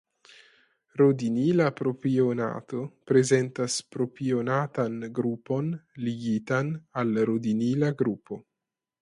Rodinila propionato prezentas propionatan grupon ligitan al rodinila grupo.